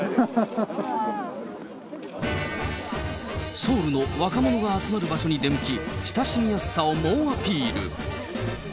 ソウルの若者が集まる場所に出向き、親しみやすさを猛アピール。